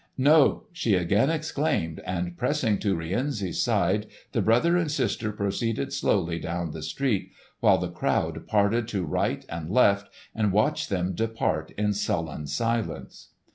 "No!" she again exclaimed, and, pressing to Rienzi's side, the brother and sister proceeded slowly down the street, while the crowd parted to right and left and watched them depart in sullen silence.